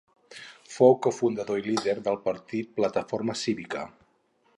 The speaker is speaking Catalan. Fou cofundador i líder del partit Plataforma Cívica.